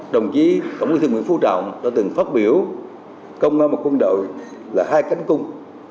đồng chí tổng bí thư nguyễn phú trọng đã từng phát biểu công an một quân đội là hai cánh cung